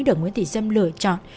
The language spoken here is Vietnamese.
được nguyễn thị xâm lựa chọn